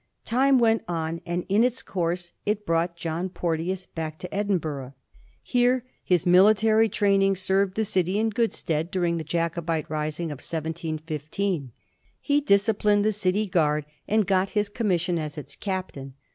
Time went on, and in its course it brought John Porte ous back to Edinburgh. Here his military training served the city in good stead during the Jacobite rising of 1715. He disciplined the city guard and got his commission as its captain.